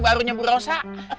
barunya bu rosa